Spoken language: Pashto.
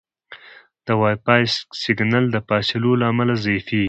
د وائی فای سګنل د فاصلو له امله ضعیفېږي.